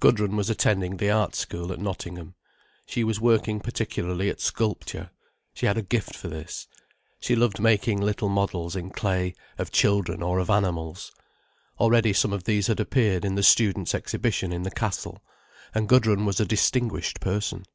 Gudrun was attending the Art School at Nottingham. She was working particularly at sculpture. She had a gift for this. She loved making little models in clay, of children or of animals. Already some of these had appeared in the Students' Exhibition in the Castle, and Gudrun was a distinguished person.